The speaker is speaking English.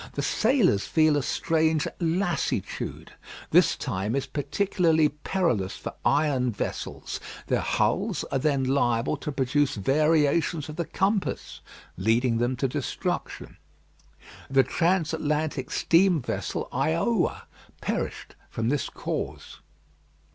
The sailors feel a strange lassitude. This time is particularly perilous for iron vessels; their hulls are then liable to produce variations of the compass, leading them to destruction. The transatlantic steam vessel Iowa perished from this cause.